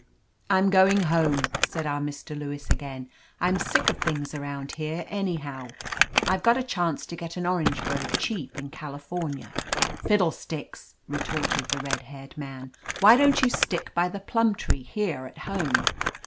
"I'm going home," said our Mr. Lewis again. "I*m sick of things aroimd here, any how. Fve got a chance to get an oriange grove cheap in California." "Fiddlesticks !" retorted the red haired man, "Why don't you stick by the plimi tree here at home?"